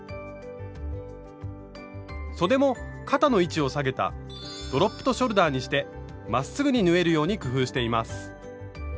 そでも肩の位置を下げた「ドロップトショルダー」にしてまっすぐに縫えるように工夫しています。